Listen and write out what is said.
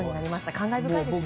感慨深いですね。